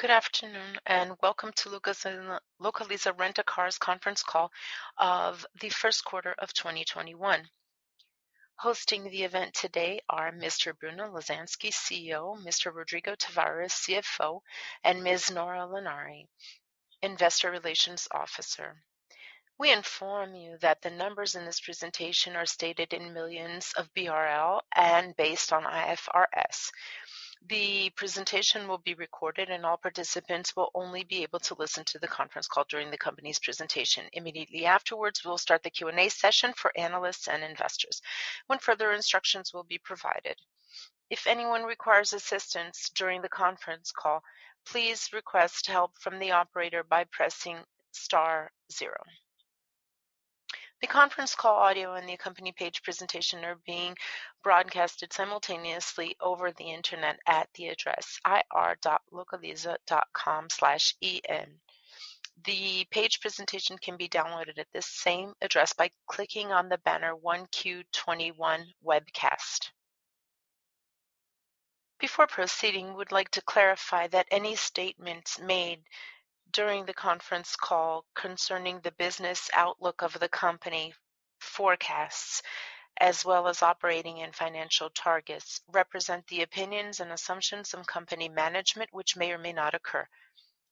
Good afternoon, welcome to Localiza Rent a Car's conference call of the first quarter of 2021. Hosting the event today are Mr. Bruno Lasansky, CEO, Mr. Rodrigo Tavares, CFO, and Ms. Nora Lanari, Investor Relations Officer. We inform you that the numbers in this presentation are stated in millions of BRL and based on IFRS. The presentation will be recorded, and all participants will only be able to listen to the conference call during the company's presentation. Immediately afterwards, we'll start the Q&A session for analysts and investors, when further instructions will be provided. If anyone requires assistance during the conference call, please request help from the operator by pressing star zero. The conference call audio and the company page presentation are being broadcasted simultaneously over the internet at the address ir.localiza.com/en. The page presentation can be downloaded at this same address by clicking on the banner 1Q21 webcast. Before proceeding, we'd like to clarify that any statements made during the conference call concerning the business outlook of the company, forecasts, as well as operating and financial targets, represent the opinions and assumptions of company management, which may or may not occur.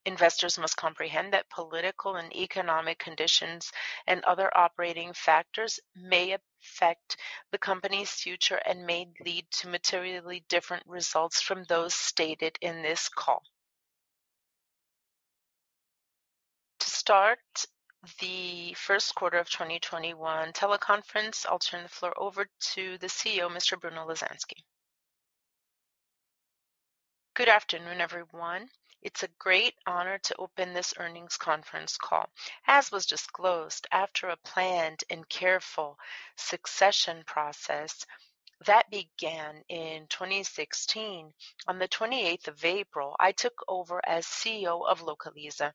Investors must comprehend that political and economic conditions and other operating factors may affect the company's future and may lead to materially different results from those stated in this call. To start the first quarter of 2021 teleconference, I'll turn the floor over to the CEO, Mr. Bruno Lasansky. Good afternoon, everyone. It's a great honor to open this earnings conference call. As was disclosed, after a planned and careful succession process that began in 2016, on the 28th of April, I took over as CEO of Localiza.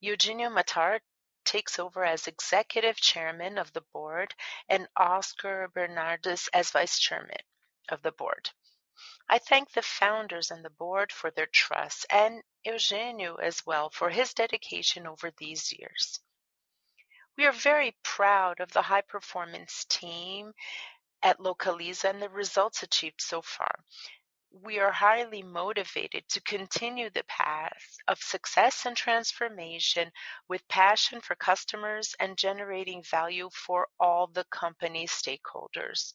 Eugênio Mattar takes over as Executive Chairman of the Board, and Oscar Bernardes as Vice Chairman of the Board. I thank the Founders and the Board for their trust, and Eugênio as well for his dedication over these years. We are very proud of the high-performance team at Localiza and the results achieved so far. We are highly motivated to continue the path of success and transformation with passion for customers and generating value for all the company stakeholders.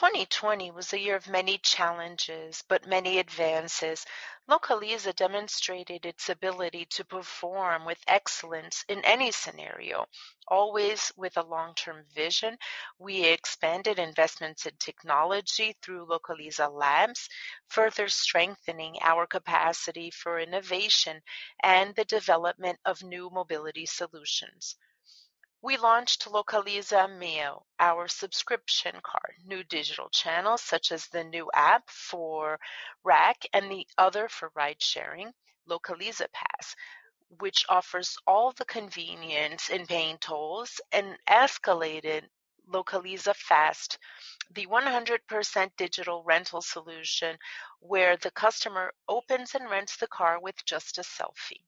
2020 was a year of many challenges, but many advances. Localiza demonstrated its ability to perform with excellence in any scenario, always with a long-term vision. We expanded investments in technology through Localiza Labs, further strengthening our capacity for innovation and the development of new mobility solutions. We launched Localiza Meoo, our subscription car, new digital channels such as the new app for RAC and the other for ride sharing, Localiza Pass, which offers all the convenience in paying tolls and escalated Localiza FAST, the 100% digital rental solution where the customer opens and rents the car with just a selfie.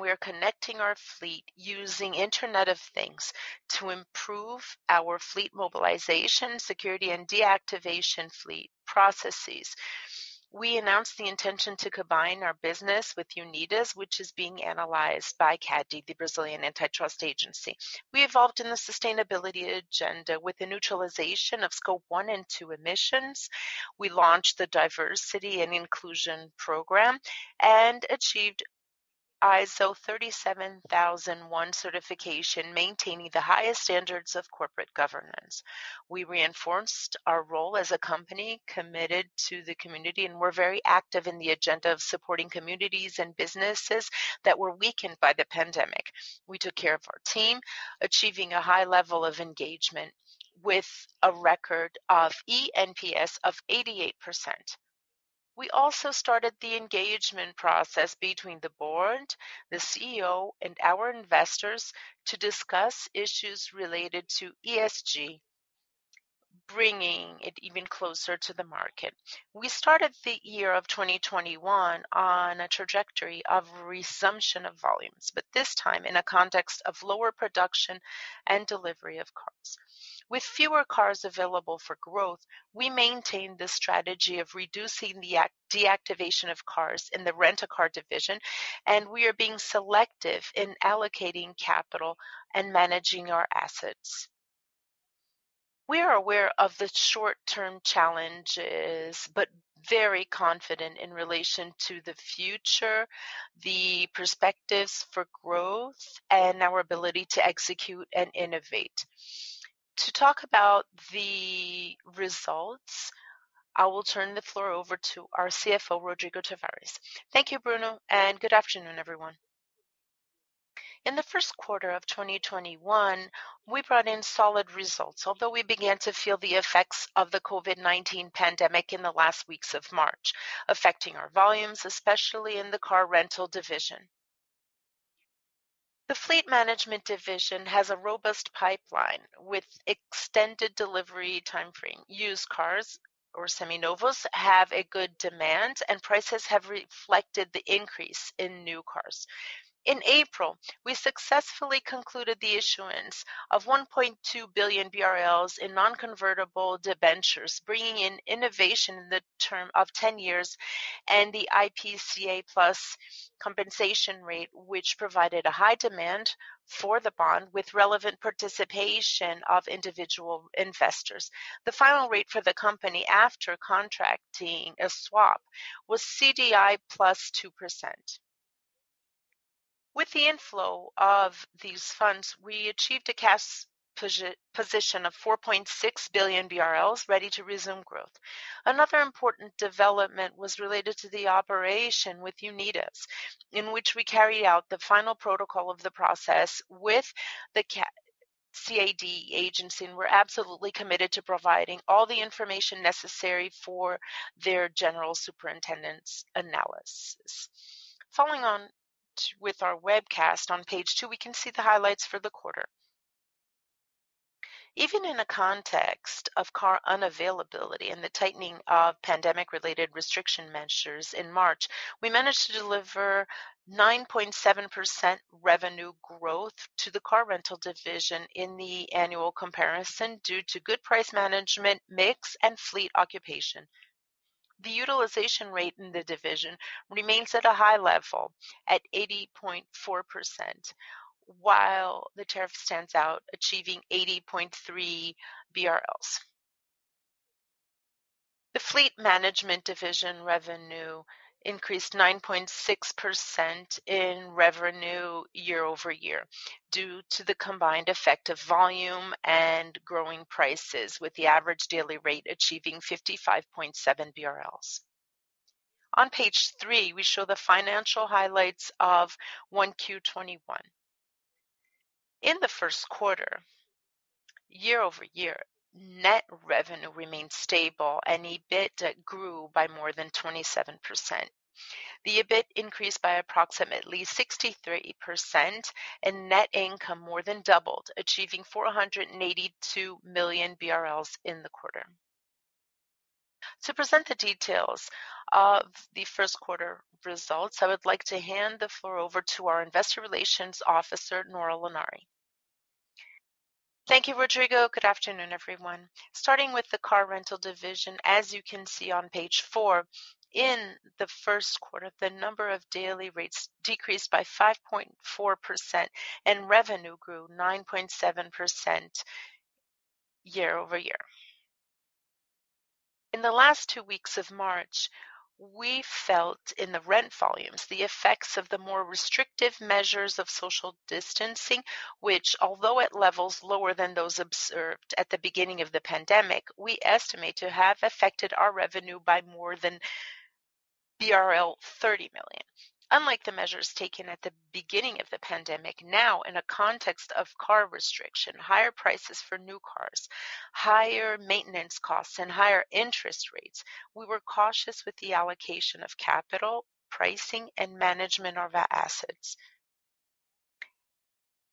We are connecting our fleet using Internet of Things to improve our fleet mobilization, security, and deactivation fleet processes. We announced the intention to combine our business with Unidas, which is being analyzed by CADE, the Brazilian antitrust agency. We evolved in the sustainability agenda with the neutralization of Scope 1 and 2 emissions. We launched the diversity and inclusion program and achieved ISO 37001 certification, maintaining the highest standards of corporate governance. We reinforced our role as a company committed to the community, and we're very active in the agenda of supporting communities and businesses that were weakened by the pandemic. We took care of our team, achieving a high level of engagement with a record of eNPS of 88%. We also started the engagement process between the Board, the CEO, and our investors to discuss issues related to ESG, bringing it even closer to the market. We started the year of 2021 on a trajectory of resumption of volumes, but this time in a context of lower production and delivery of cars. With fewer cars available for growth, we maintained the strategy of reducing the deactivation of cars in the rent-a-car division, and we are being selective in allocating capital and managing our assets. We are aware of the short-term challenges, but very confident in relation to the future, the perspectives for growth, and our ability to execute and innovate. To talk about the results, I will turn the floor over to our CFO, Rodrigo Tavares. Thank you, Bruno, and good afternoon, everyone. In the first quarter of 2021, we brought in solid results. Although we began to feel the effects of the COVID-19 pandemic in the last weeks of March, affecting our volumes, especially in the Car rental division. The Fleet Management division has a robust pipeline with extended delivery timeframe. Used cars or Seminovos have a good demand, and prices have reflected the increase in new cars. In April, we successfully concluded the issuance of 1.2 billion BRL in non-convertible debentures, bringing in innovation in the term of 10 years and the IPCA plus compensation rate, which provided a high demand for the bond with relevant participation of individual investors. The final rate for the company after contracting a swap was CDI plus 2%. With the inflow of these funds, we achieved a cash position of 4.6 billion BRL ready to resume growth. Another important development was related to the operation with Unidas, in which we carry out the final protocol of the process with the CADE agency, and we're absolutely committed to providing all the information necessary for their general superintendent's analysis. Following on with our webcast, on page two, we can see the highlights for the quarter. Even in a context of car unavailability and the tightening of pandemic-related restriction measures in March, we managed to deliver 9.7% revenue growth to the Car rental division in the annual comparison due to good price management, mix, and fleet occupation. The utilization rate in the division remains at a high level at 80.4%, while the tariff stands out, achieving 80.3 BRL. The Fleet Management division revenue increased 9.6% in revenue year-over-year due to the combined effect of volume and growing prices, with the average daily rate achieving 55.7 BRL. On page three, we show the financial highlights of 1Q21. In the first quarter, year-over-year, net revenue remained stable, and EBIT grew by more than 27%. The EBIT increased by approximately 63%, and net income more than doubled, achieving 482 million BRL in the quarter. To present the details of the first quarter results, I would like to hand the floor over to our Investor Relations Officer, Nora Lanari. Thank you, Rodrigo. Good afternoon, everyone. Starting with the Car rental division, as you can see on page four, in the first quarter, the number of daily rates decreased by 5.4%, and revenue grew 9.7% year-over-year. In the last two weeks of March, we felt, in the rent volumes, the effects of the more restrictive measures of social distancing, which although at levels lower than those observed at the beginning of the pandemic, we estimate to have affected our revenue by more than BRL 30 million. Unlike the measures taken at the beginning of the pandemic, now, in a context of car restriction, higher prices for new cars, higher maintenance costs, and higher interest rates, we were cautious with the allocation of capital, pricing, and management of our assets.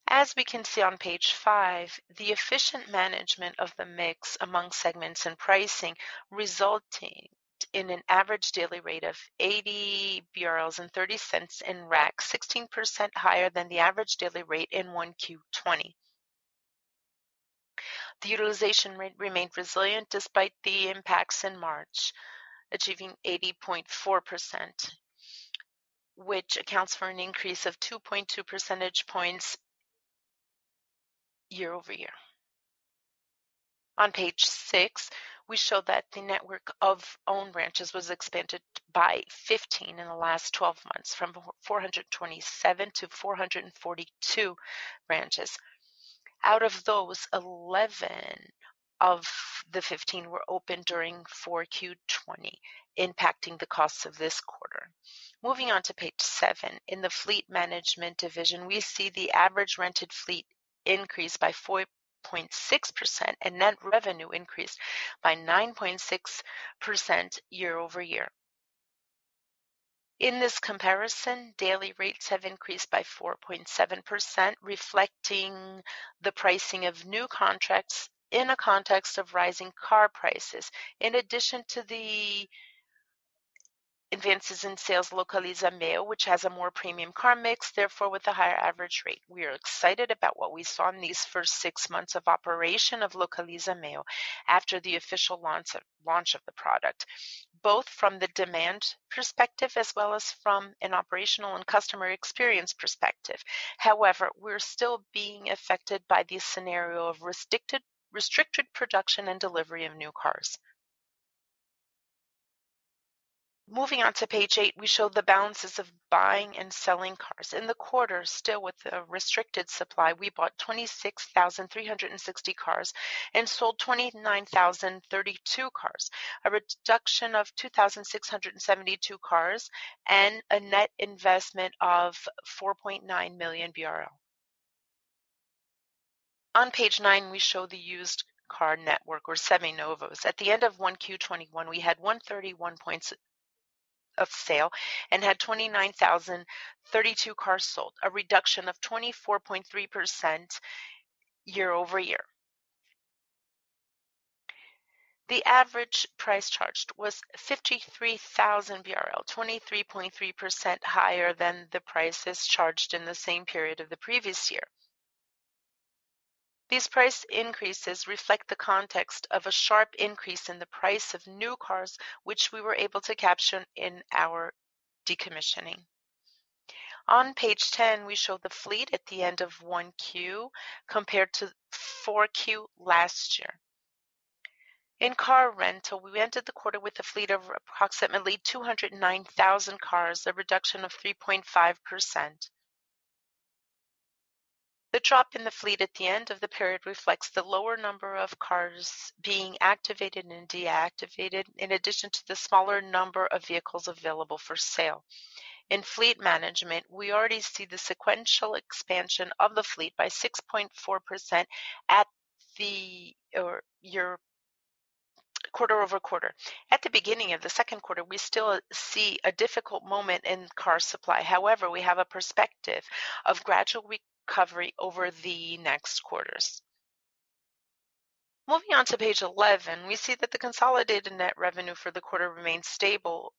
As we can see on page five, the efficient management of the mix among segments and pricing resulted in an average daily rate of 80.30 BRL in RAC, 16% higher than the average daily rate in 1Q20. The utilization rate remained resilient despite the impacts in March, achieving 80.4%, which accounts for an increase of 2.2 percentage points year-over-year. On page six, we show that the network of owned branches was expanded by 15 in the last 12 months from 427 to 442 branches. Out of those, 11 of the 15 were opened during 4Q20, impacting the costs of this quarter. Moving on to page seven. In the Fleet Management division, we see the average rented fleet increased by 4.6%, and net revenue increased by 9.6% year-over-year. In this comparison, daily rates have increased by 4.7%, reflecting the pricing of new contracts in a context of rising car prices. In addition to the advances in sales Localiza Meoo, which has a more premium car mix, therefore with a higher average rate. We are excited about what we saw in these first six months of operation of Localiza Meoo after the official launch of the product, both from the demand perspective as well as from an operational and customer experience perspective. However, we're still being affected by the scenario of restricted production and delivery of new cars. Moving on to page eight, we show the balances of buying and selling cars. In the quarter, still with a restricted supply, we bought 26,360 cars and sold 29,032 cars, a reduction of 2,672 cars and a net investment of BRL 4.9 million. On page nine, we show the used car network or Seminovos. At the end of 1Q21, we had 131 points of sale and had 29,032 cars sold, a reduction of 24.3% year-over-year. The average price charged was 53,000 BRL, 23.3% higher than the prices charged in the same period of the previous year. These price increases reflect the context of a sharp increase in the price of new cars, which we were able to capture in our decommissioning. On page 10, we show the fleet at the end of 1Q compared to 4Q last year. In Car rental, we ended the quarter with a fleet of approximately 209,000 cars, a reduction of 3.5%. The drop in the fleet at the end of the period reflects the lower number of cars being activated and deactivated, in addition to the smaller number of vehicles available for sale. In Fleet management, we already see the sequential expansion of the fleet by 6.4% quarter-over-quarter. At the beginning of the second quarter, we still see a difficult moment in car supply. We have a perspective of gradual recovery over the next quarters. Moving on to page 11, we see that the consolidated net revenue for the quarter remains stable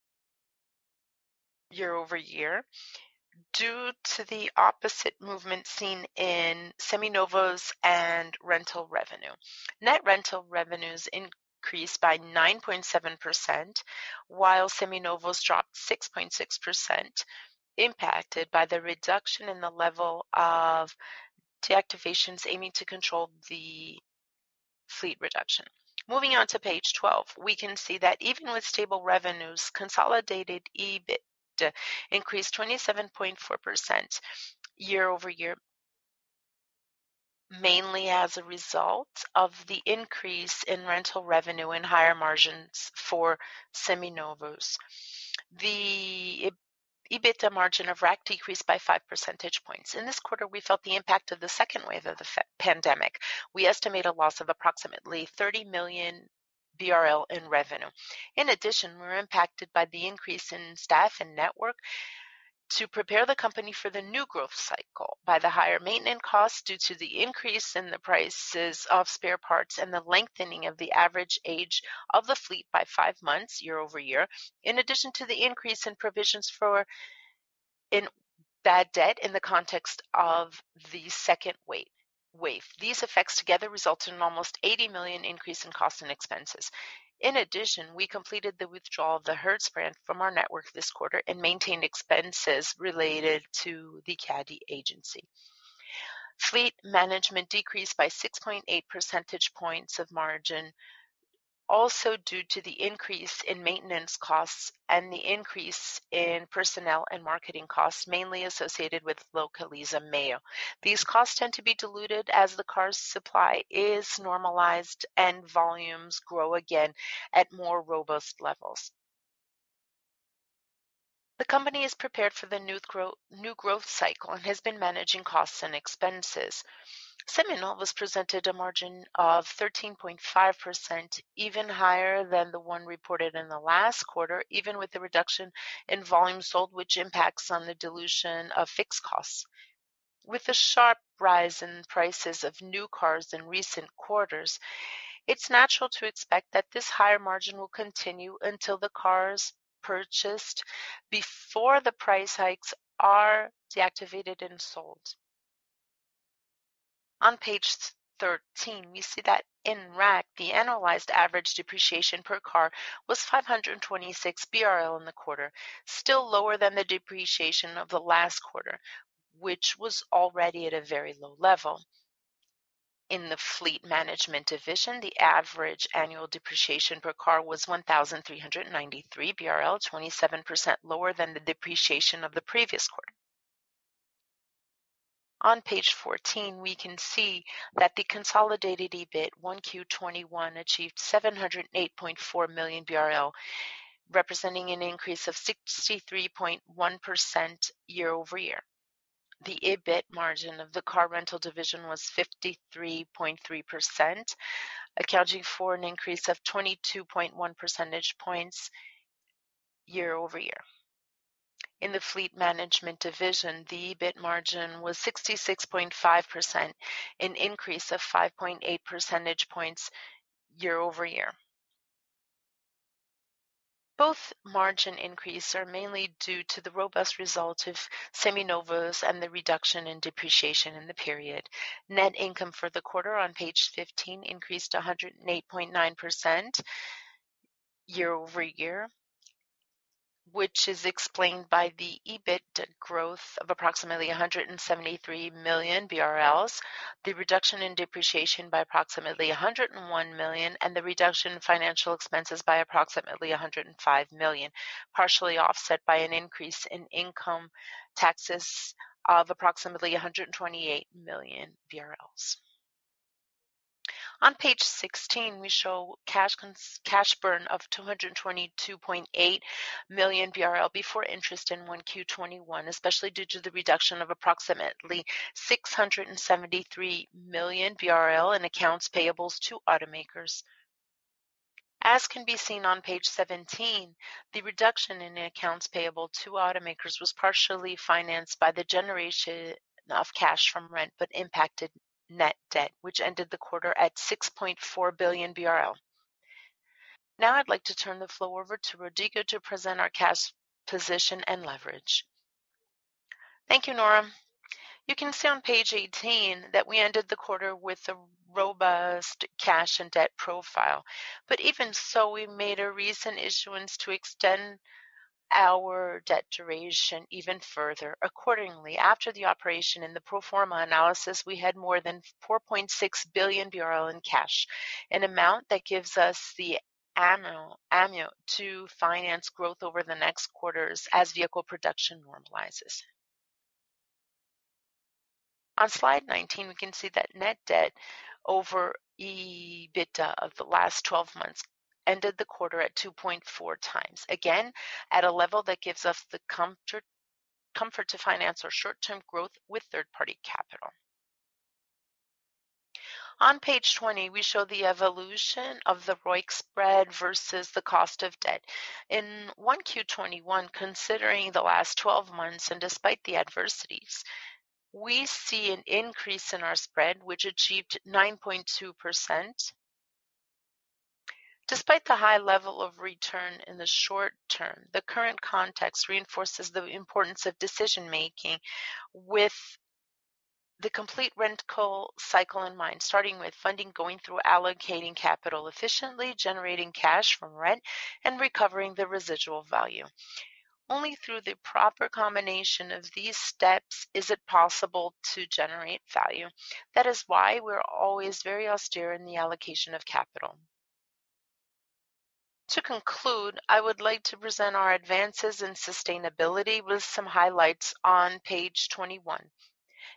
year-over-year due to the opposite movement seen in Seminovos and rental revenue. Net rental revenues increased by 9.7%, while Seminovos dropped 6.6%, impacted by the reduction in the level of deactivations aiming to control the fleet reduction. Moving on to page 12, we can see that even with stable revenues, consolidated EBIT increased 27.4% year-over-year, mainly as a result of the increase in rental revenue and higher margins for Seminovos. The EBITDA margin of RAC decreased by 5 percentage points. In this quarter, we felt the impact of the second wave of the pandemic. We estimate a loss of approximately 30 million BRL in revenue. In addition, we were impacted by the increase in staff and network to prepare the company for the new growth cycle by the higher maintenance costs due to the increase in the prices of spare parts and the lengthening of the average age of the fleet by five months year-over-year, in addition to the increase in provisions for bad debt in the context of the second wave. These effects together result in an almost 80 million increase in costs and expenses. In addition, we completed the withdrawal of the Hertz brand from our network this quarter and maintained expenses related to the CADE agency. Fleet management decreased by 6.8 percentage points of margin, also due to the increase in maintenance costs and the increase in personnel and marketing costs, mainly associated with Localiza Meoo. These costs tend to be diluted as the car supply is normalized and volumes grow again at more robust levels. The company is prepared for the new growth cycle and has been managing costs and expenses. Seminovos presented a margin of 13.5%, even higher than the one reported in the last quarter, even with the reduction in volume sold, which impacts on the dilution of fixed costs. With the sharp rise in prices of new cars in recent quarters, it's natural to expect that this higher margin will continue until the cars purchased before the price hikes are deactivated and sold. On page 13, we see that in RAC, the annualized average depreciation per car was 526 BRL in the quarter, still lower than the depreciation of the last quarter, which was already at a very low level. In the Fleet management division, the average annual depreciation per car was 1,393 BRL, 27% lower than the depreciation of the previous quarter. On page 14, we can see that the consolidated EBIT 1Q21 achieved 708.4 million BRL, representing an increase of 63.1% year-over-year. The EBIT margin of the Car rental division was 53.3%, accounting for an increase of 22.1 percentage points year-over-year. In the Fleet management division, the EBIT margin was 66.5%, an increase of 5.8 percentage points year-over-year. Both margin increases are mainly due to the robust results of Seminovos and the reduction in depreciation in the period. Net income for the quarter on page 15 increased 108.9% year-over-year, which is explained by the EBIT growth of approximately 173 million BRL, the reduction in depreciation by approximately 101 million, and the reduction in financial expenses by approximately 105 million, partially offset by an increase in income taxes of approximately 128 million BRL. On page 16, we show cash burn of 222.8 million BRL before interest in 1Q21, especially due to the reduction of approximately 673 million BRL in accounts payables to automakers. As can be seen on page 17, the reduction in accounts payable to automakers was partially financed by the generation of cash from rent, but impacted net debt, which ended the quarter at 6.4 billion BRL. I'd like to turn the floor over to Rodrigo to present our cash position and leverage. Thank you, Nora. You can see on page 18 that we ended the quarter with a robust cash and debt profile, even so, we made a recent issuance to extend our debt duration even further. Accordingly, after the operation in the pro forma analysis, we had more than 4.6 billion in cash, an amount that gives us the amount to finance growth over the next quarters as vehicle production normalizes. On slide 19, we can see that net debt-over-EBITDA of the last 12 months ended the quarter at 2.4x, again, at a level that gives us the comfort to finance our short-term growth with third-party capital. On page 20, we show the evolution of the ROIC spread versus the cost of debt. In 1Q21, considering the last 12 months and despite the adversities, we see an increase in our spread, which achieved 9.2%. Despite the high level of return in the short term, the current context reinforces the importance of decision-making with the complete rental cycle in mind, starting with funding, going through allocating capital efficiently, generating cash from rent, and recovering the residual value. Only through the proper combination of these steps is it possible to generate value. That is why we're always very austere in the allocation of capital. To conclude, I would like to present our advances in sustainability with some highlights on page 21.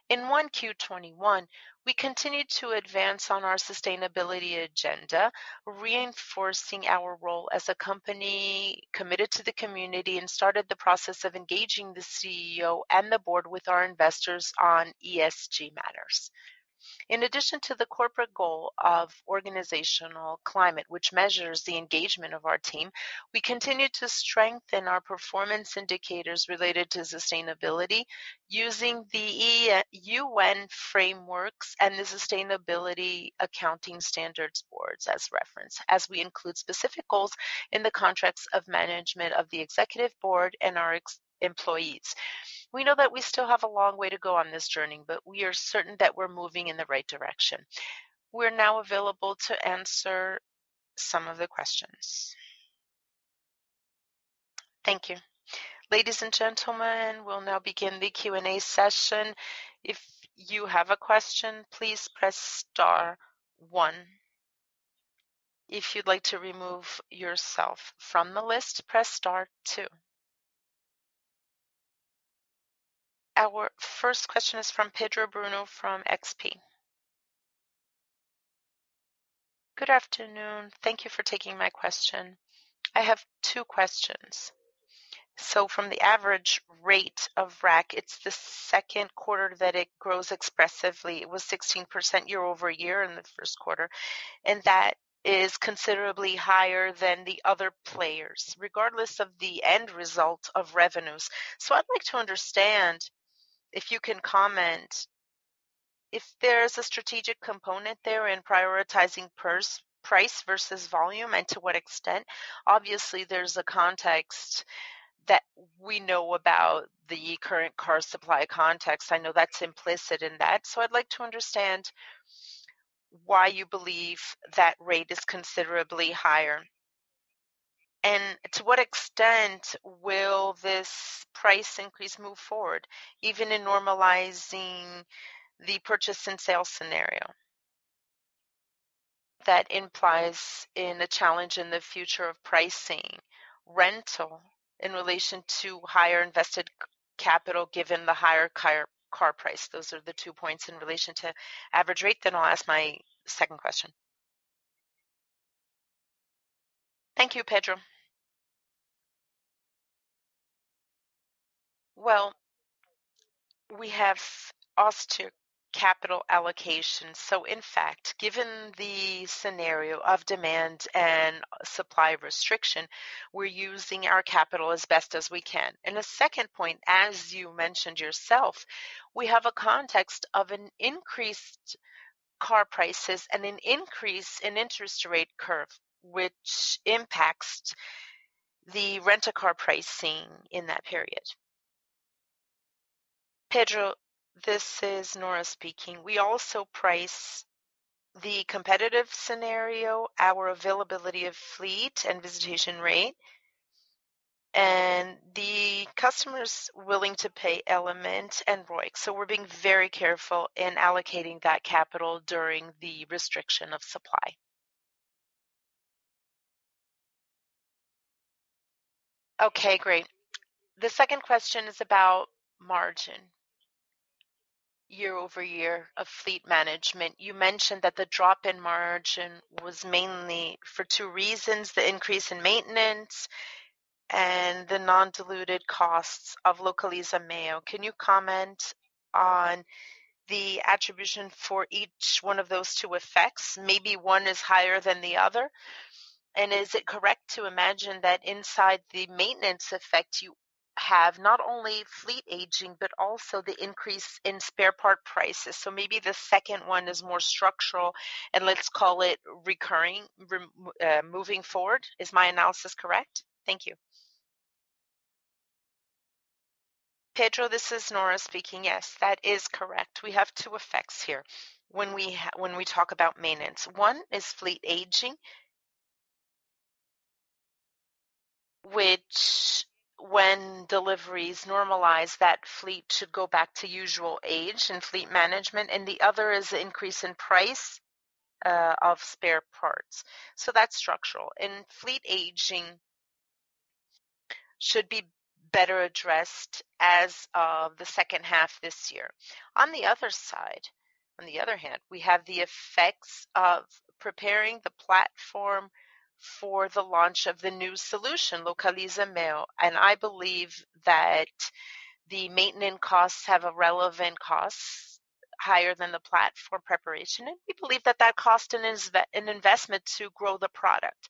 In 1Q21, we continued to advance on our sustainability agenda, reinforcing our role as a company committed to the community, and started the process of engaging the CEO and the Board with our investors on ESG matters. In addition to the corporate goal of organizational climate, which measures the engagement of our team, we continued to strengthen our performance indicators related to sustainability using the UN frameworks and the Sustainability Accounting Standards Board as reference, as we include specific goals in the contracts of management of the Executive Board and our employees. We know that we still have a long way to go on this journey, but we are certain that we're moving in the right direction. We're now available to answer some of the questions. Thank you. Ladies and gentlemen, we'll now begin the Q&A session. If you have a question, please press star one. If you'd like to remove yourself from the list, press star two. Our first question is from Pedro Bruno from XP. Good afternoon. Thank you for taking my question. I have two questions. From the average rate of RAC, it's the second quarter that it grows expressively. It was 16% year-over-year in the first quarter, and that is considerably higher than the other players, regardless of the end result of revenues. I'd like to understand, if you can comment, if there's a strategic component there in prioritizing price versus volume, and to what extent? Obviously, there's a context that we know about the current car supply context. I know that's implicit in that. I'd like to understand why you believe that rate is considerably higher, and to what extent will this price increase move forward, even in normalizing the purchase and sale scenario? That implies in a challenge in the future of pricing rental in relation to higher invested capital given the higher car price. Those are the two points in relation to average rate, I'll ask my second question. Thank you, Pedro. We have austere capital allocation. In fact, given the scenario of demand and supply restriction, we're using our capital as best as we can. The second point, as you mentioned yourself, we have a context of an increased car prices and an increase in interest rate curve, which impacts the rent-a-car pricing in that period. Pedro, this is Nora speaking. We also price the competitive scenario, our availability of fleet and visitation rate, and the customers willing to pay element and ROIC. We're being very careful in allocating that capital during the restriction of supply. Okay, great. The second question is about margin year-over-year of Fleet management. You mentioned that the drop in margin was mainly for two reasons, the increase in maintenance and the non-diluted costs of Localiza Meoo. Can you comment on the attribution for each one of those two effects? Maybe one is higher than the other. Is it correct to imagine that inside the maintenance effect, you have not only fleet aging, but also the increase in spare part prices? Maybe the second one is more structural and let's call it recurring, moving forward. Is my analysis correct? Thank you. Pedro, this is Nora speaking. Yes, that is correct. We have two effects here when we talk about maintenance. One is fleet aging, which when deliveries normalize, that fleet should go back to usual age and fleet management, and the other is the increase in price of spare parts. That's structural. Fleet aging should be better addressed as of the second half this year. On the other side, on the other hand, we have the effects of preparing the platform for the launch of the new solution, Localiza Meoo, and I believe that the maintenance costs have a relevant cost higher than the platform preparation. We believe that that cost is an investment to grow the product.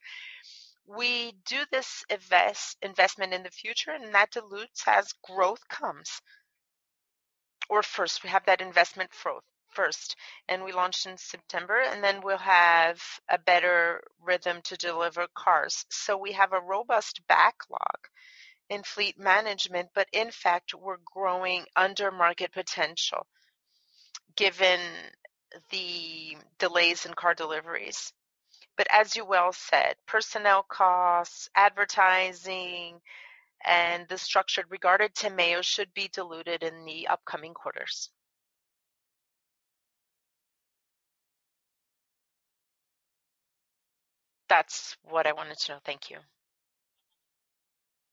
We do this investment in the future, and that dilutes as growth comes. First, we have that investment first, and we launch in September, and then we'll have a better rhythm to deliver cars. We have a robust backlog in Fleet management, but in fact, we're growing under market potential given the delays in car deliveries. As you well said, personnel costs, advertising, and the structure regarded to Meoo should be diluted in the upcoming quarters. That's what I wanted to know. Thank you.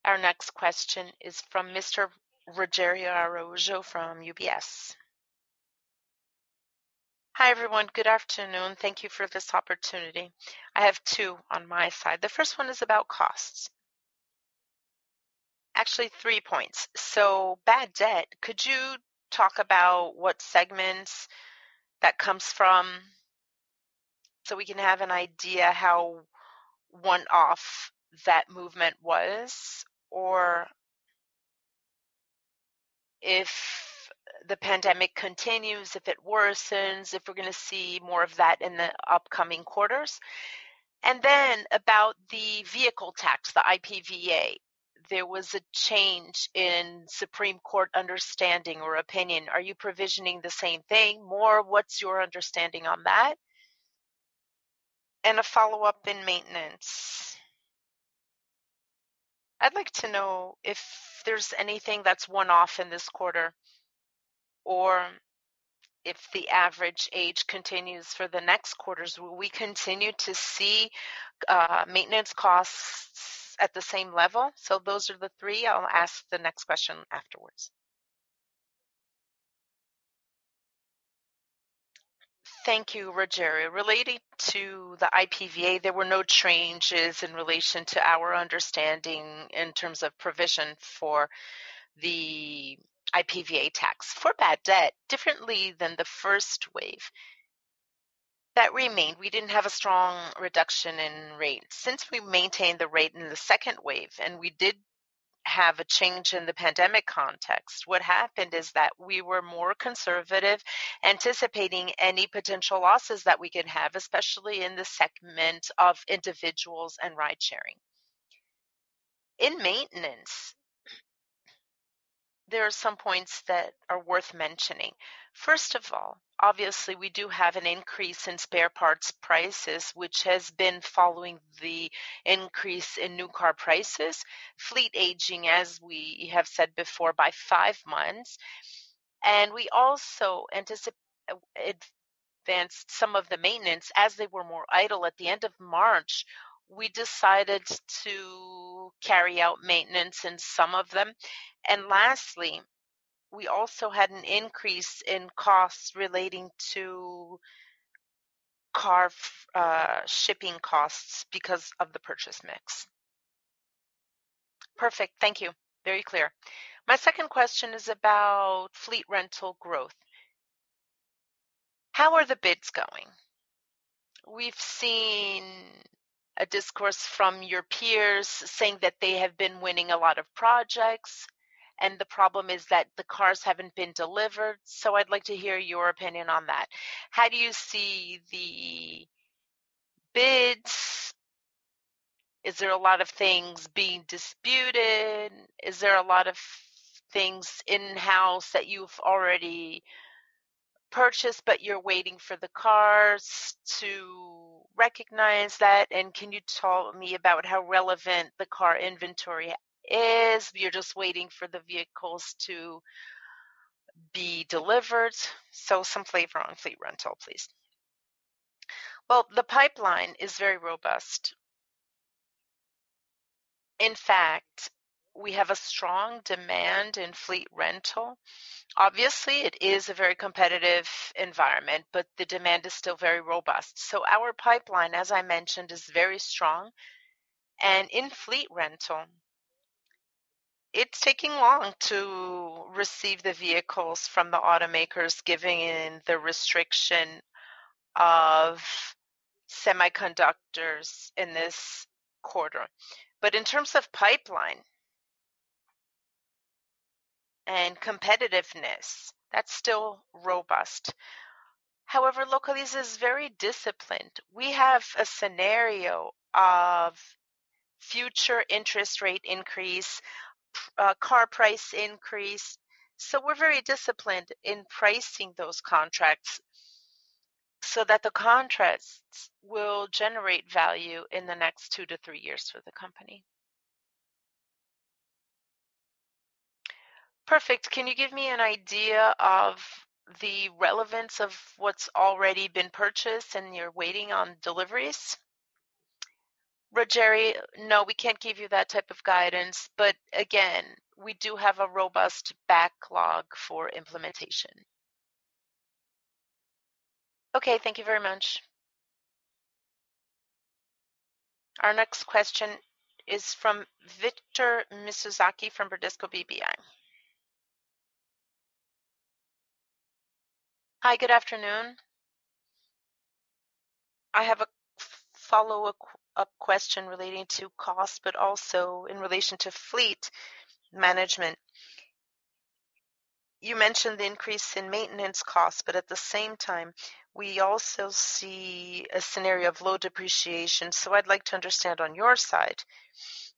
Our next question is from Mr. Rogério Araújo from UBS. Hi, everyone. Good afternoon. Thank you for this opportunity. I have two on my side. The first one is about costs. Actually, three points. Bad debt, could you talk about what segments that comes from so we can have an idea how one-off that movement was? If the pandemic continues, if it worsens, if we're going to see more of that in the upcoming quarters? About the vehicle tax, the IPVA. There was a change in Supreme Court understanding or opinion. Are you provisioning the same thing? What's your understanding on that? A follow-up in maintenance. I'd like to know if there's anything that's one-off in this quarter, or if the average age continues for the next quarters. Will we continue to see maintenance costs at the same level? Those are the three. I'll ask the next question afterwards. Thank you, Rogério. Relating to the IPVA, there were no changes in relation to our understanding in terms of provision for the IPVA tax. For bad debt, differently than the first wave, that remained. We didn't have a strong reduction in rate. We maintained the rate in the second wave and we did have a change in the pandemic context, what happened is that we were more conservative, anticipating any potential losses that we could have, especially in the segment of individuals and ride-sharing. In maintenance, there are some points that are worth mentioning. First of all, obviously, we do have an increase in spare parts prices, which has been following the increase in new car prices. Fleet aging, as we have said before, by five months. We also advanced some of the maintenance as they were more idle at the end of March. We decided to carry out maintenance in some of them. Lastly, we also had an increase in costs relating to car shipping costs because of the purchase mix. Perfect. Thank you. Very clear. My second question is about fleet rental growth. How are the bids going? We've seen a discourse from your peers saying that they have been winning a lot of projects, and the problem is that the cars haven't been delivered. I'd like to hear your opinion on that. How do you see the bids? Is there a lot of things being disputed? Is there a lot of things in-house that you've already purchased, but you're waiting for the cars to recognize that? Can you tell me about how relevant the car inventory is? You're just waiting for the vehicles to be delivered. Some flavor on fleet rental, please. Well, the pipeline is very robust. In fact, we have a strong demand in fleet rental. Obviously, it is a very competitive environment, but the demand is still very robust. Our pipeline, as I mentioned, is very strong. In fleet rental, it's taking long to receive the vehicles from the automakers, given the restriction of semiconductors in this quarter. In terms of pipeline and competitiveness, that's still robust. However, Localiza is very disciplined. We have a scenario of future interest rate increase, car price increase. We're very disciplined in pricing those contracts so that the contracts will generate value in the next two to three years for the company. Perfect. Can you give me an idea of the relevance of what's already been purchased and you're waiting on deliveries? Rogério, no, we can't give you that type of guidance. Again, we do have a robust backlog for implementation. Okay. Thank you very much. Our next question is from Victor Mizusaki from Bradesco BBI. Hi, good afternoon. I have a follow-up question relating to cost, also in relation to Fleet management. You mentioned the increase in maintenance costs. At the same time, we also see a scenario of low depreciation. I'd like to understand on your side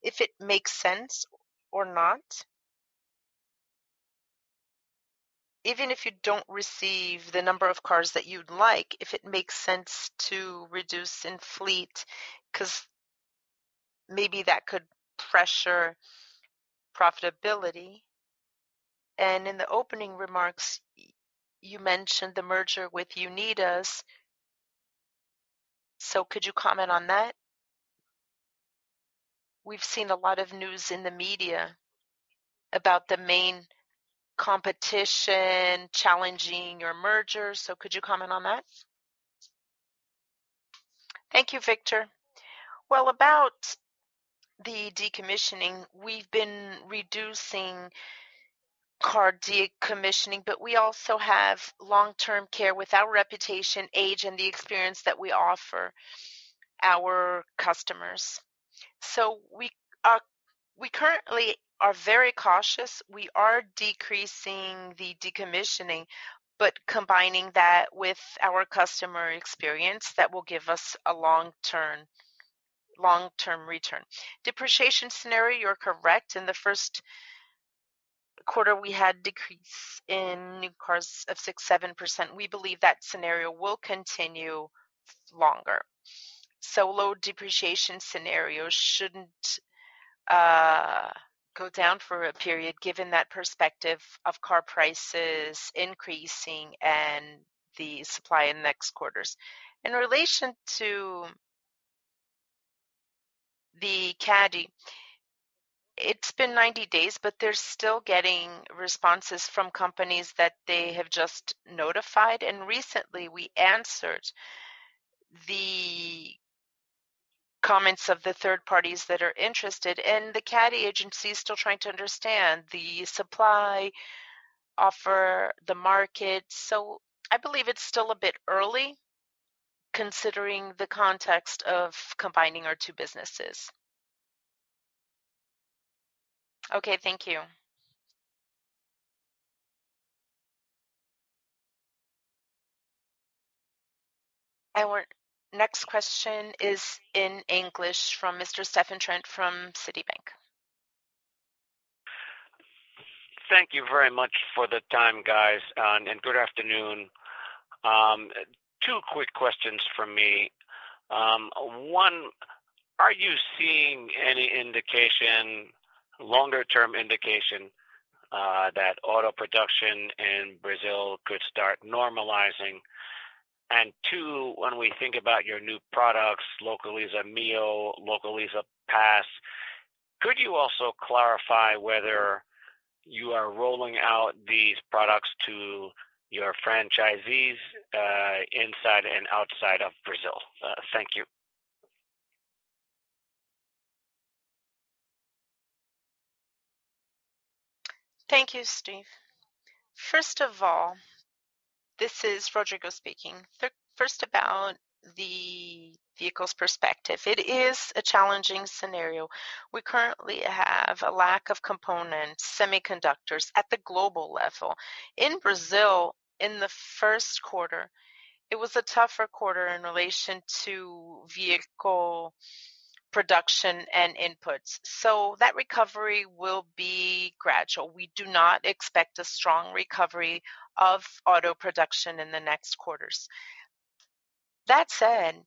if it makes sense or not. Even if you don't receive the number of cars that you'd like, if it makes sense to reduce in fleet, because maybe that could pressure profitability. In the opening remarks, you mentioned the merger with Unidas. Could you comment on that? We've seen a lot of news in the media about the main competition challenging your merger. Could you comment on that? Thank you, Victor. Well, about the decommissioning, we've been reducing car decommissioning, but we also have long-term care with our reputation, age, and the experience that we offer our customers. We currently are very cautious. We are decreasing the decommissioning, but combining that with our customer experience, that will give us a long-term return. Depreciation scenario, you're correct. In the first quarter, we had decrease in new cars of 6%,-7%. We believe that scenario will continue longer. Low depreciation scenarios shouldn't go down for a period, given that perspective of car prices increasing and the supply in the next quarters. In relation to the CADE, it's been 90 days, but they're still getting responses from companies that they have just notified. Recently we answered the comments of the third parties that are interested, and the CADE agency is still trying to understand the supply, offer, the market. I believe it's still a bit early considering the context of combining our two businesses. Okay. Thank you. Our next question is in English from Mr. Stephen Trent from Citibank. Thank you very much for the time, guys. Good afternoon. Two quick questions from me. One, are you seeing any longer-term indication that auto production in Brazil could start normalizing? Two, when we think about your new products, Localiza Meoo, Localiza Pass, could you also clarify whether you are rolling out these products to your franchisees inside and outside of Brazil? Thank you. Thank you, Steve. First of all, this is Rodrigo Tavares speaking. First about the vehicles perspective, it is a challenging scenario. We currently have a lack of components, semiconductors at the global level. In Brazil, in the first quarter, it was a tougher quarter in relation to vehicle production and inputs. That recovery will be gradual. We do not expect a strong recovery of auto production in the next quarters. That said.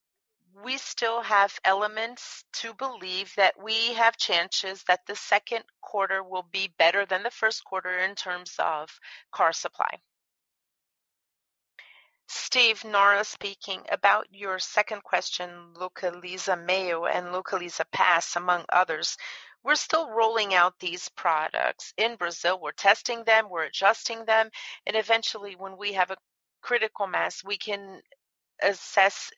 We still have elements to believe that we have chances that the second quarter will be better than the first quarter in terms of car supply. Steve, Nora speaking. About your second question, Localiza Meoo and Localiza Pass, among others, we're still rolling out these products in Brazil. We're testing them, we're adjusting them, and eventually when we have a critical mass, we can assess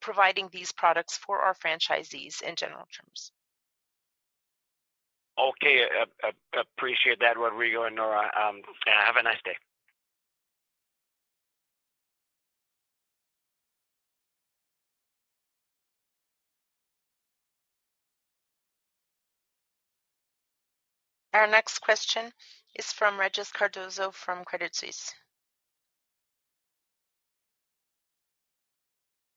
providing these products for our franchisees in general terms. Okay. Appreciate that, Rodrigo and Nora. Have a nice day. Our next question is from Regis Cardoso from Credit Suisse.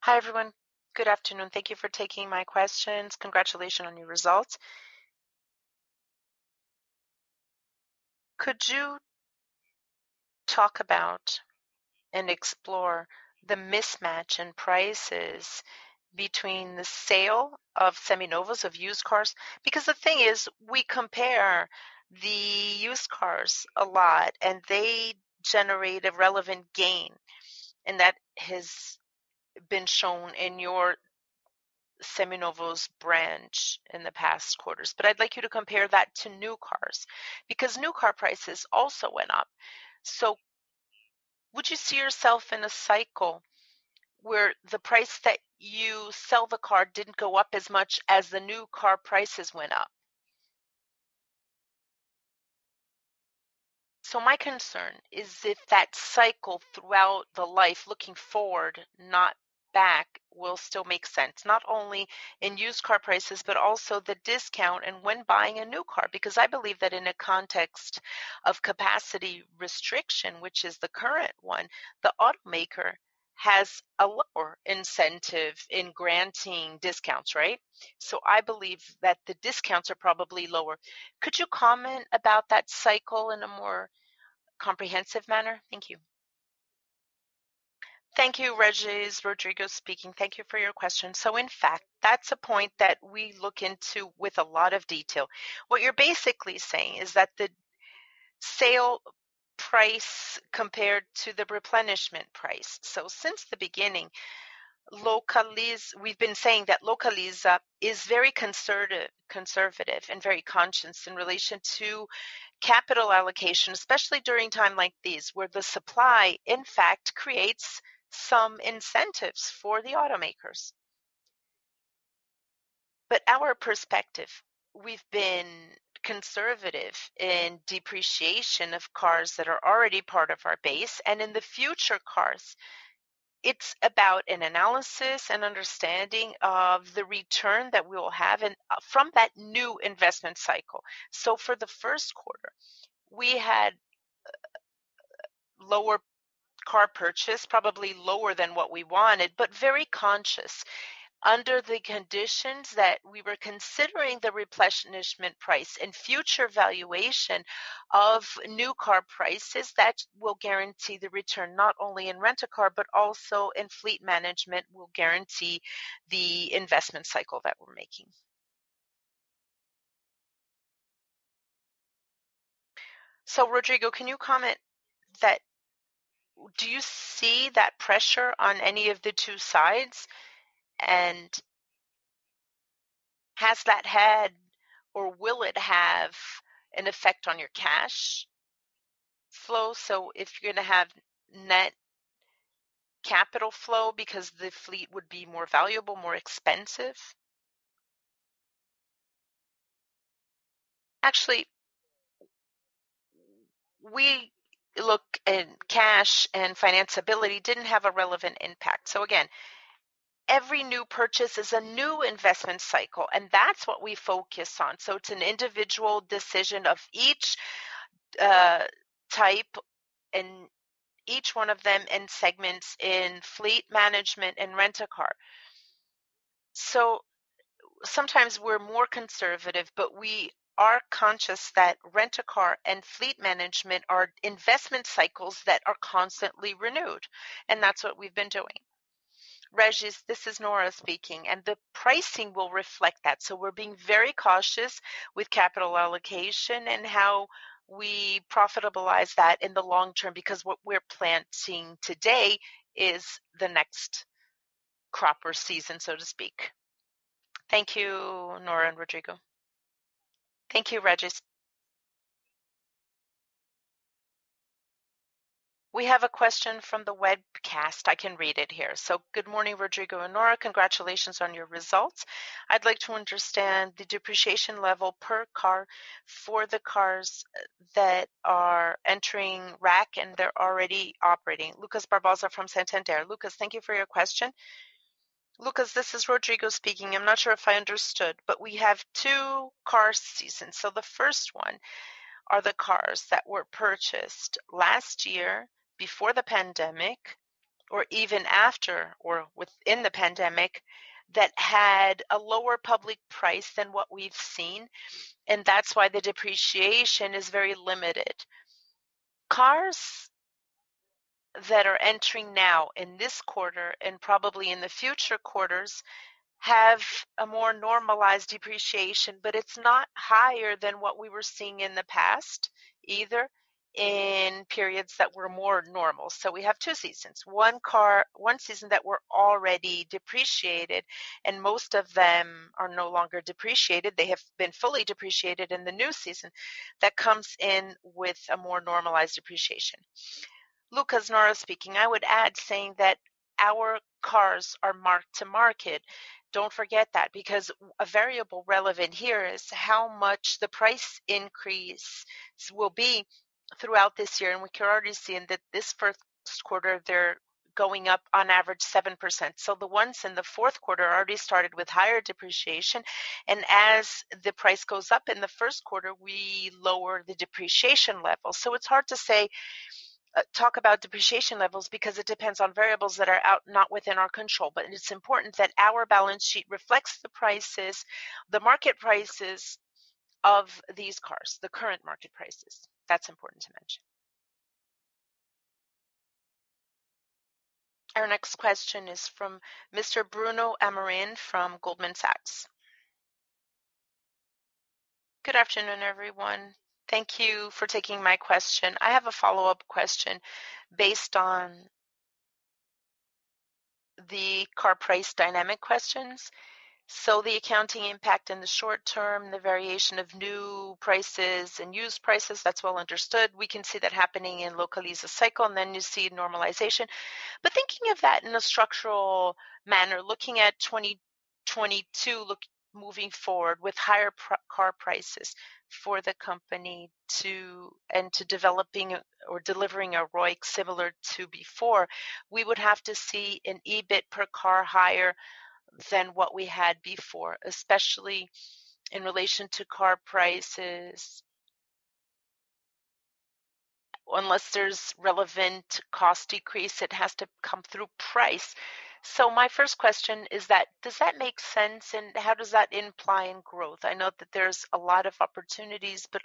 Hi, everyone. Good afternoon. Thank you for taking my questions. Congratulations on your results. Could you talk about and explore the mismatch in prices between the sale of Seminovos, of used cars? The thing is, we compare the used cars a lot, and they generate a relevant gain, and that has been shown in your Seminovos branch in the past quarters. I'd like you to compare that to new cars, because new car prices also went up. Would you see yourself in a cycle where the price that you sell the car didn't go up as much as the new car prices went up? My concern is if that cycle throughout the life, looking forward, not back, will still make sense, not only in used car prices, but also the discount and when buying a new car. I believe that in a context of capacity restriction, which is the current one, the automaker has a lower incentive in granting discounts, right? I believe that the discounts are probably lower. Could you comment about that cycle in a more comprehensive manner? Thank you. Thank you, Regis. Rodrigo speaking. Thank you for your question. In fact, that's a point that we look into with a lot of detail. What you're basically saying is that the sale price compared to the replenishment price. Since the beginning, we've been saying that Localiza is very conservative and very conscious in relation to capital allocation, especially during time like these, where the supply, in fact, creates some incentives for the automakers. Our perspective, we've been conservative in depreciation of cars that are already part of our base. In the future cars, it's about an analysis and understanding of the return that we will have from that new investment cycle. For the first quarter, we had lower car purchase, probably lower than what we wanted, but very conscious under the conditions that we were considering the replenishment price and future valuation of new car prices that will guarantee the return, not only in Rent-a-Car, but also in Fleet management, will guarantee the investment cycle that we're making. Rodrigo, can you comment that, do you see that pressure on any of the two sides, and has that had or will it have an effect on your cash flow, so if you're going to have net capital flow because the fleet would be more valuable, more expensive? Actually, look at cash and financability didn't have a relevant impact. Again, every new purchase is a new investment cycle, and that's what we focus on. It's an individual decision of each type and each one of them in segments in fleet management and rent a car. Sometimes we're more conservative, but we are conscious that rent a car and fleet management are investment cycles that are constantly renewed, and that's what we've been doing. Regis, this is Nora speaking. The pricing will reflect that. We're being very cautious with capital allocation and how we profitabilize that in the long term, because what we're planting today is the next crop or season, so to speak. Thank you, Nora and Rodrigo. Thank you, Regis. We have a question from the webcast. I can read it here. Good morning, Rodrigo and Nora. Congratulations on your results. I'd like to understand the depreciation level per car for the cars that are entering RAC and they're already operating. Lucas Barbosa from Santander. Lucas, thank you for your question. Lucas, this is Rodrigo speaking. I'm not sure if I understood, but we have two car seasons. The first one are the cars that were purchased last year before the pandemic, or even after or within the pandemic, that had a lower public price than what we've seen, and that's why the depreciation is very limited. Cars that are entering now in this quarter and probably in the future quarters have a more normalized depreciation, but it's not higher than what we were seeing in the past either in periods that were more normal. We have two seasons, one season that we're already depreciated, and most of them are no longer depreciated. They have been fully depreciated in the new season that comes in with a more normalized depreciation. Lucas, Nora speaking. I would add saying that our cars are marked-to-market. Don't forget that, because a variable relevant here is how much the price increase will be throughout this year, and we can already see in this first quarter they are going up on average 7%. The ones in the fourth quarter already started with higher depreciation, and as the price goes up in the first quarter, we lower the depreciation level. It is hard to talk about depreciation levels because it depends on variables that are not within our control. It is important that our balance sheet reflects the market prices of these cars, the current market prices. That is important to mention. Our next question is from Mr. Bruno Amorim from Goldman Sachs. Good afternoon, everyone. Thank you for taking my question. I have a follow-up question based on the car price dynamic questions. The accounting impact in the short term, the variation of new prices and used prices, that's well understood. We can see that happening in Localiza's cycle, and then you see normalization. Thinking of that in a structural manner, looking at 2022, moving forward with higher car prices for the company and to developing or delivering a ROIC similar to before, we would have to see an EBIT per car higher than what we had before, especially in relation to car prices. Unless there's relevant cost decrease, it has to come through price. My first question is that does that make sense, and how does that imply in growth? I know that there's a lot of opportunities, but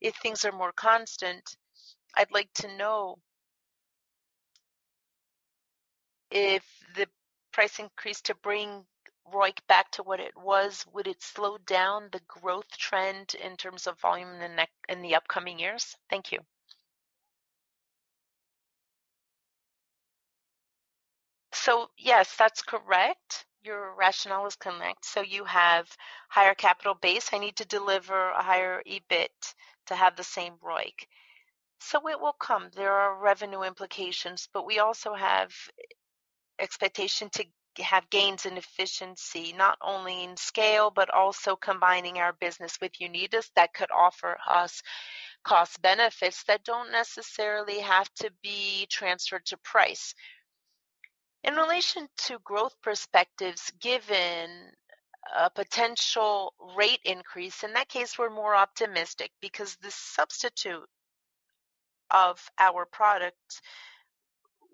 if things are more constant, I'd like to know if the price increase to bring ROIC back to what it was, would it slow down the growth trend in terms of volume in the upcoming years? Thank you. Yes, that's correct. Your rationale is correct. You have higher capital base. I need to deliver a higher EBIT to have the same ROIC. It will come. There are revenue implications, but we also have expectation to have gains in efficiency, not only in scale, but also combining our business with Unidas that could offer us cost benefits that don't necessarily have to be transferred to price. In relation to growth perspectives, given a potential rate increase, in that case, we're more optimistic because the substitute of our product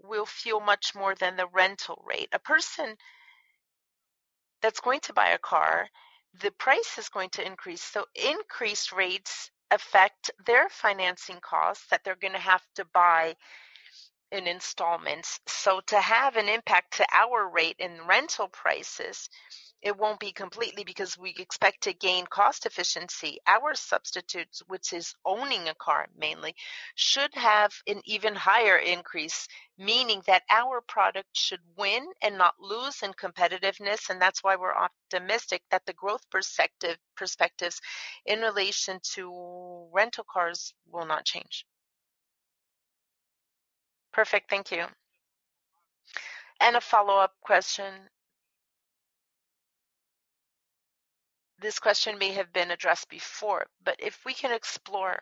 will feel much more than the rental rate. A person that's going to buy a car, the price is going to increase. Increased rates affect their financing costs that they're going to have to buy in installments. To have an impact to our rate in rental prices, it won't be completely because we expect to gain cost efficiency. Our substitutes, which is owning a car mainly, should have an even higher increase, meaning that our product should win and not lose in competitiveness, and that's why we're optimistic that the growth perspectives in relation to rental cars will not change. Perfect. Thank you. A follow-up question. This question may have been addressed before, but if we can explore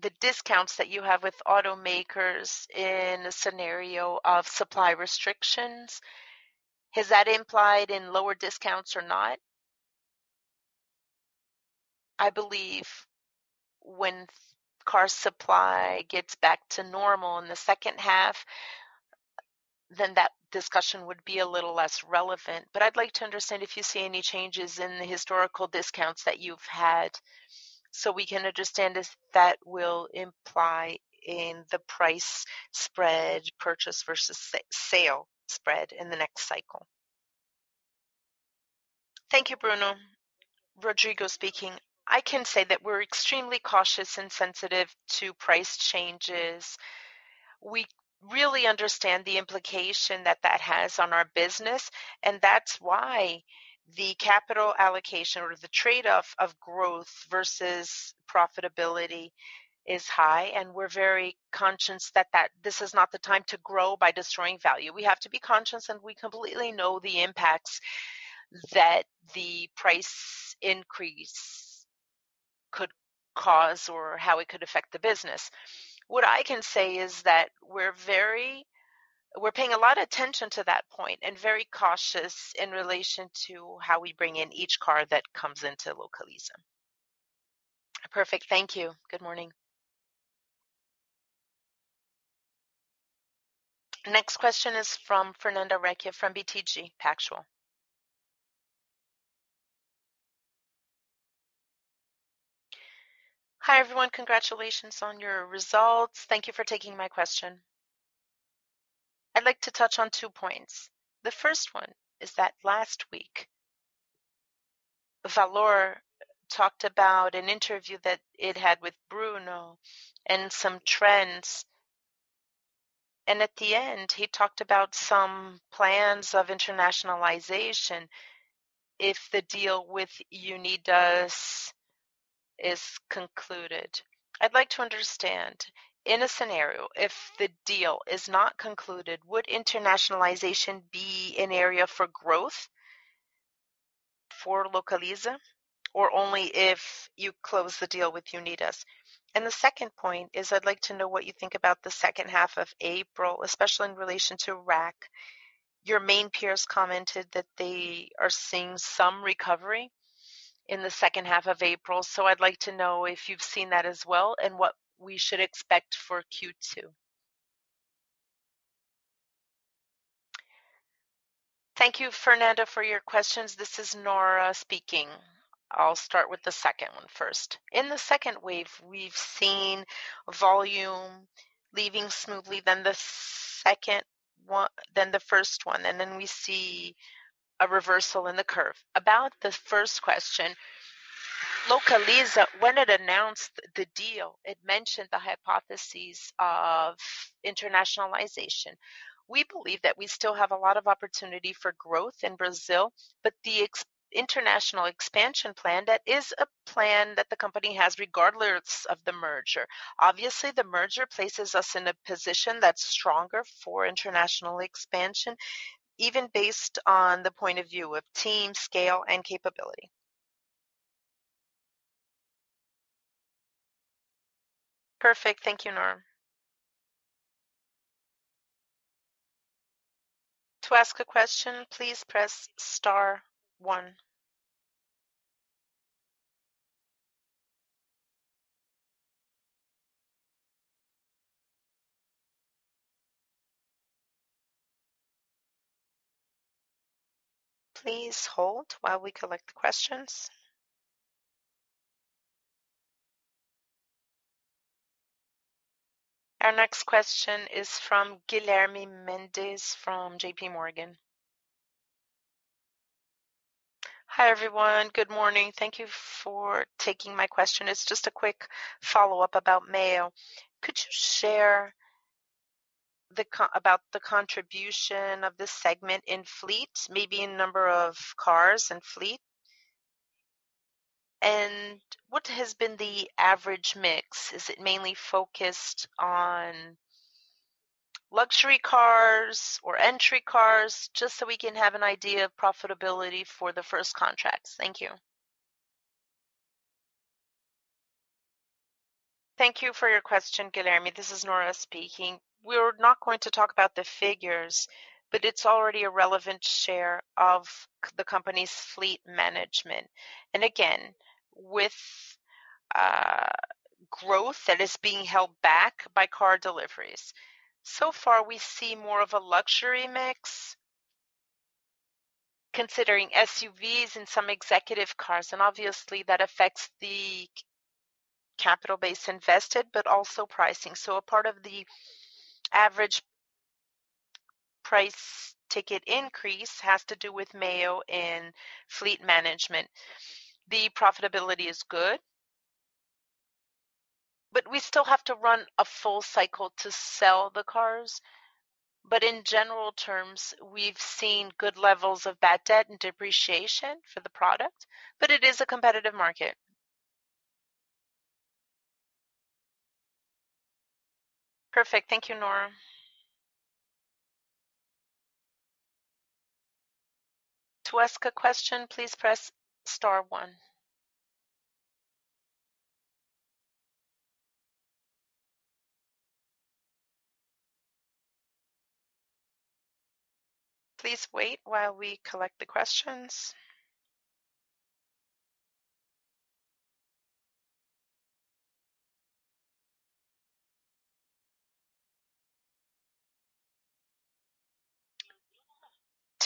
the discounts that you have with automakers in a scenario of supply restrictions, is that implied in lower discounts or not? I believe when car supply gets back to normal in the second half, then that discussion would be a little less relevant. I'd like to understand if you see any changes in the historical discounts that you've had so we can understand if that will imply in the price spread purchase versus sale spread in the next cycle. Thank you, Bruno. Rodrigo speaking. I can say that we're extremely cautious and sensitive to price changes. We really understand the implication that that has on our business, and that's why the capital allocation or the trade-off of growth versus profitability is high, and we're very conscious that this is not the time to grow by destroying value. We have to be conscious, and we completely know the impacts that the price increase could cause or how it could affect the business. What I can say is that we're paying a lot of attention to that point and very cautious in relation to how we bring in each car that comes into Localiza. Perfect. Thank you. Good morning. Next question is from Fernanda Recchia from BTG Pactual. Hi, everyone. Congratulations on your results. Thank you for taking my question. I'd like to touch on two points. The first one is that last week, Valor talked about an interview that it had with Bruno and some trends. At the end, he talked about some plans of internationalization if the deal with Unidas is concluded. I'd like to understand, in a scenario, if the deal is not concluded, would internationalization be an area for growth for Localiza, or only if you close the deal with Unidas? The second point is, I'd like to know what you think about the second half of April, especially in relation to RAC. Your main peers commented that they are seeing some recovery in the second half of April. I'd like to know if you've seen that as well, and what we should expect for Q2. Thank you, Fernanda, for your questions. This is Nora speaking. I'll start with the second one first. In the second wave, we've seen volume leaving smoothly than the first one, and then we see a reversal in the curve. About the first question, Localiza, when it announced the deal, it mentioned the hypothesis of internationalization. We believe that we still have a lot of opportunity for growth in Brazil, but the international expansion plan, that is a plan that the company has regardless of the merger. Obviously, the merger places us in a position that's stronger for international expansion, even based on the point of view of team scale and capability. Perfect. Thank you, Nora. Our next question is from Guilherme Mendes from JPMorgan. Hi, everyone. Good morning. Thank you for taking my question. It's just a quick follow-up about Meoo. Could you share about the contribution of this segment in fleet, maybe in number of cars and fleet? What has been the average mix? Is it mainly focused on luxury cars or entry cars, just so we can have an idea of profitability for the first contracts. Thank you. Thank you for your question, Guilherme. This is Nora speaking. We're not going to talk about the figures, but it's already a relevant share of the company's fleet management. With growth that is being held back by car deliveries. Far, we see more of a luxury mix considering SUVs and some executive cars, and obviously that affects the capital base invested, but also pricing. A part of the average price ticket increase has to do with Meoo in Fleet management. The profitability is good, but we still have to run a full cycle to sell the cars. In general terms, we've seen good levels of bad debt and depreciation for the product, but it is a competitive market. Perfect. Thank you, Nora. To ask a question, please press star one.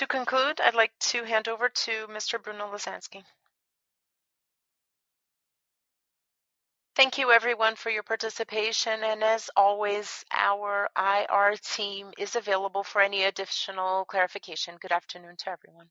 To conclude, I'd like to hand over to Mr. Bruno Lasansky. Thank you everyone for your participation, and as always, our IR team is available for any additional clarification. Good afternoon to everyone.